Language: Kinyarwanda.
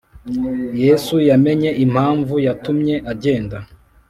Yesu yamenye impamvu yatumye agenda.